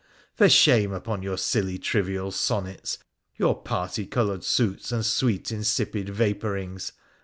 for shame upon your silly trivial sonnets, your particoloured suits and sweet insipid vapourings